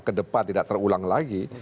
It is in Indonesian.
ke depan tidak terulang lagi